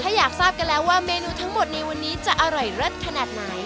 ถ้าอยากทราบกันแล้วว่าเมนูทั้งหมดในวันนี้จะอร่อยเลิศขนาดไหน